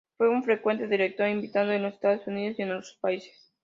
Fue un frecuente director invitado en los Estados Unidos y en otros países.